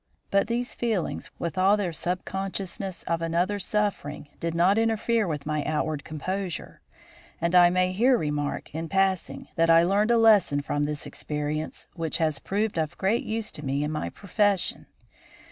But these feelings, with all their sub consciousness of another's suffering, did not interfere with my outward composure; and I may here remark in passing that I learned a lesson from this experience which has proved of great use to me in my profession.